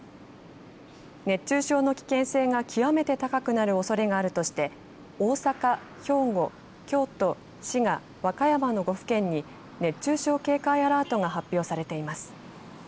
熱中症の危険性が極めて高くなるおそれがあるとして大阪、兵庫京都、滋賀、和歌山の５府県に熱中症警戒アラートが発表されています。